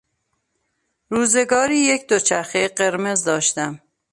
روزگاری یک دوچرخه قرمز داشتم.